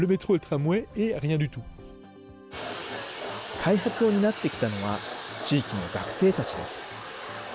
開発を担ってきたのは、地域の学生たちです。